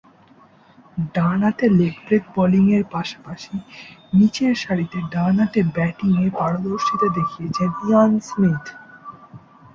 ডানহাতে leg break বোলিংয়ের পাশাপাশি নিচেরসারিতে ডানহাতে ব্যাটিংয়ে পারদর্শীতা দেখিয়েছেন ইয়ান স্মিথ।